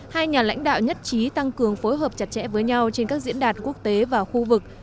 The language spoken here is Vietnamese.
hai nhà lãnh đạo nhất trí tăng cường phối hợp chặt chẽ với nhau trên các diễn đàn quốc tế và khu vực